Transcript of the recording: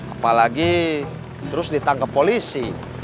apalagi terus ditangkap polisi